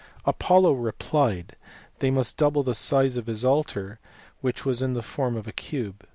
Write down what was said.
Apollo replied that they must double the size of his altar which was in the form of a cube.